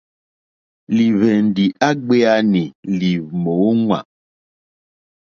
Lìhwɛ̀ndì á gbēánì lì mòóŋwà.